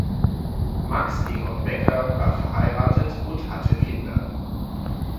Max Egon Becker war verheiratet und hatte Kinder.